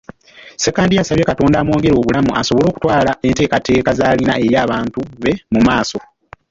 Ssekandi yasabye Katonda amwongere obulamu asobole okutwala enteekateeka z'alina eri abantu be mu maaso.